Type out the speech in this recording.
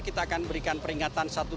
kita akan berikan penyelamatkan